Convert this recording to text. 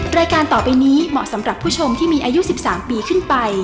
รายการต่อไปนี้เหมาะสำหรับผู้ชมที่มีอายุ๑๓ปีขึ้นไป